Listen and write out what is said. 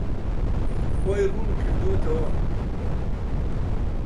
خۆی ڕوون کردووەتەوە.